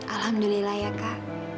alhamdulillah ya kak